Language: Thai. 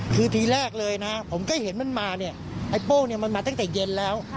คือทีแรกเลยนะผมก็เห็นมันมาเนี่ยไอ้โป้งเนี่ยมันมาตั้งแต่เย็นแล้ว